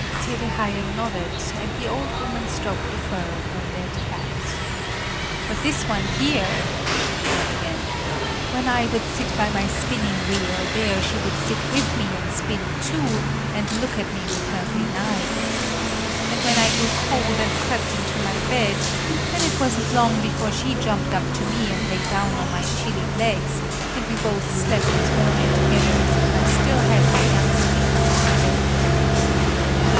Tede Haien nodded, and the old woman stroked the fur of her dead cat. "But this one here," she began again, "when I would sit by my spinning wheel, there she would sit with me and spin too and look at me with her green eyes! And when I grew cold and crept into my bed then it wasn't long before she jumped up to me and lay down on my chilly legs, and we both slept as warmly together as if I still had my young sweetheart in bed!"